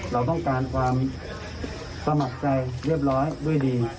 เราต้องการความสมัครใจเรียบร้อยด้วยดี